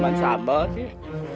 bukan sama sama sih